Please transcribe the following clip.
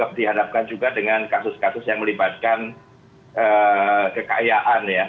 dihadapkan juga dengan kasus kasus yang melibatkan kekayaan ya